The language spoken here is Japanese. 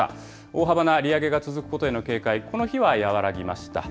大幅な利上げが続くことへの警戒、この日は和らぎました。